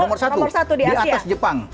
nomor satu di atas jepang